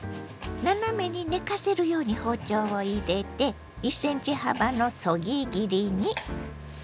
斜めに寝かせるように包丁を入れて１ｃｍ幅のそぎ切りに。